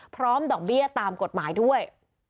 พร้อมดอกเบี้ยตามกฎหมายด้วย